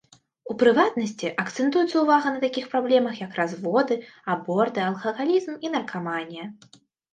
У прыватнасці, акцэнтуецца ўвага на такіх праблемах як разводы, аборты, алкагалізм і наркаманія.